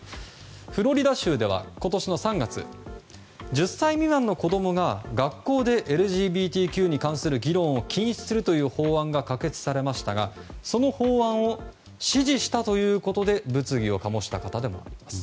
フロリダ州では今年３月１０歳未満の子供が学校でＬＧＢＴＱに関する議論を禁止するという法案が可決されましたがその法案を支持したということで物議を醸した方でもあります。